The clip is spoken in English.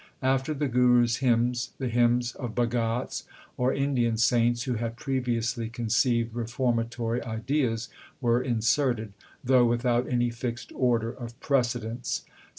After the Guru s hymns the hymns of Bhagats, or Indian saints who had previously conceived reformatory ideas, were in serted, though without any fixed order of precedence.